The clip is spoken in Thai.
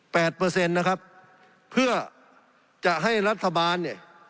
เปอร์เซ็นต์นะครับเพื่อจะให้รัฐบาลเนี่ย